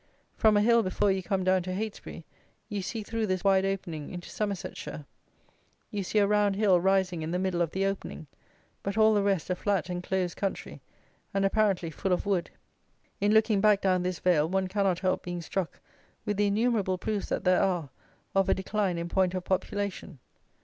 From a hill before you come down to Heytesbury, you see through this wide opening into Somersetshire. You see a round hill rising in the middle of the opening; but all the rest a flat enclosed country, and apparently full of wood. In looking back down this vale one cannot help being struck with the innumerable proofs that there are of a decline in point of population.